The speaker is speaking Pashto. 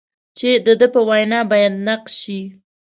چې د ده په وینا باید نقد شي.